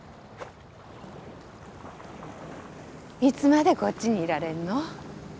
いつまでこっちにいられんの？